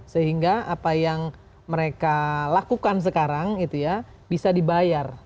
sehingga apa yang mereka lakukan sekarang bisa dibayar